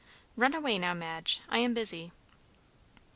Run away now, Madge, I am busy."